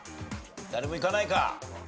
誰もいかないか？